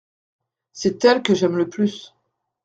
C’est elle que j’aime le plus.